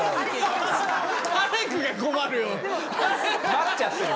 待っちゃってる。